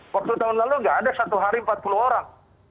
waktu tahun lalu nggak ada satu hari empat puluh orang